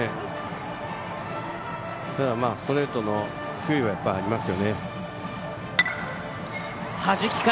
ストレートの球威はありますよね。